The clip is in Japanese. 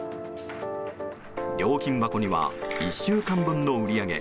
料金箱には１週間分の売り上げ